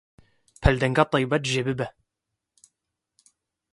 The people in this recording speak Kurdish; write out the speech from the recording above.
Peldanka taybet jê bibe.